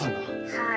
はい。